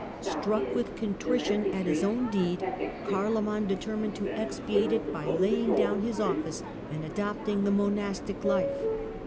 Struck with contrition at his own deed, Carloman deter mined to expiate it by laying down his office and adopt ing the monastic life.